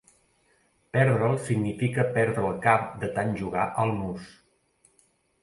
Perdre'l significa perdre el cap de tant jugar al mus.